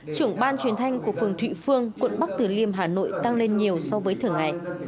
trưởng ban truyền thanh của phường thụy phương quận bắc tử liêm hà nội tăng lên nhiều so với thường ngày